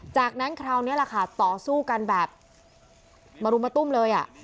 จากนั้นคราวนี้แหละค่ะต่อสู้กันแบบมารุมมาตุ้มเลยอ่ะ